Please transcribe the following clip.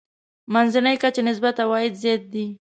منځنۍ کچې نسبت عوايد زیات دي.